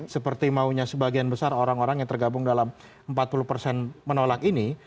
seperti maunya sebagian besar orang orang yang tergabung dalam empat puluh persen menolak ini